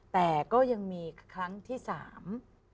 แต่ก็ยังมีครั้งที่สาม